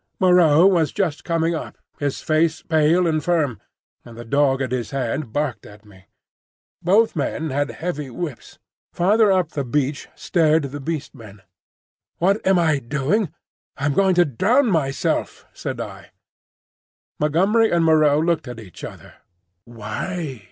Moreau was just coming up, his face pale and firm, and the dog at his hand barked at me. Both men had heavy whips. Farther up the beach stared the Beast Men. "What am I doing? I am going to drown myself," said I. Montgomery and Moreau looked at each other. "Why?"